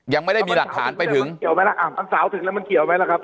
ยังไม่ได้มีหลักฐานไปถึงมันสาวถึงแล้วมันเกี่ยวไหมล่ะครับ